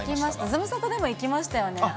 ズムサタでも行きましたよね。